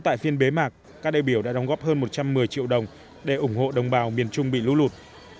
tại phiên bế mạc các đại biểu đã đóng góp hơn một trăm một mươi triệu đồng để ủng hộ đồng bào miền trung bị lũ lụt